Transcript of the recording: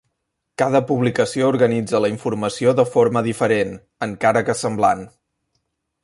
Cada publicació organitza la informació de forma diferent, encara que semblant.